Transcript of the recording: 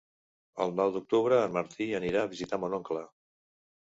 El nou d'octubre en Martí anirà a visitar mon oncle.